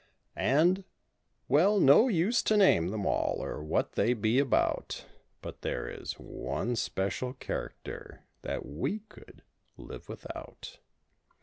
And—^well no use to name them all or what they be about But there is one special character that we could live without.